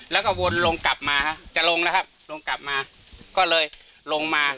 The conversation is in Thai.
แล้วก็วนลงกลับมาฮะจะลงแล้วครับลงกลับมาก็เลยลงมา